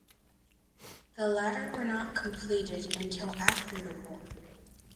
The latter were not completed until after the war.